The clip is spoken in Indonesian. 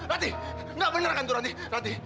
nanti enggak bener kan itu nanti